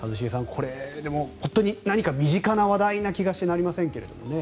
これ、何か身近な話題な気がしてなりませんけどね。